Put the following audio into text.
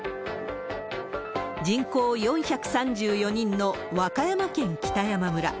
人口４３４人の和歌山県北山村。